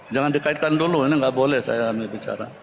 jangan dikaitkan dulu ini nggak boleh saya bicara